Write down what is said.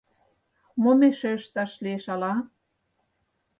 — Мом эше ышташ лиеш, ала?